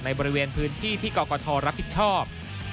บริเวณพื้นที่ที่กรกฐรับผิดชอบ